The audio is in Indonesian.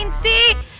nih ngapain sih